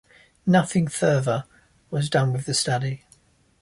Nothing further was done with the study.